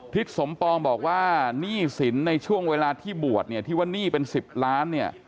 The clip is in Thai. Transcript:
พิษสมปองบอกว่าหนี้สินในช่วงเวลาที่บวชที่ว่าหนี้เป็น๑๐ล้าน